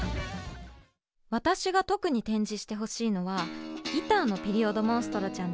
私が特に展示してほしいのはギターのピリオドモンストロちゃんです。